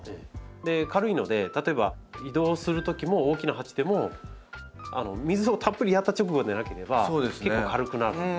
軽いので例えば移動するときも大きな鉢でも水をたっぷりやった直後でなければ結構軽くなるので。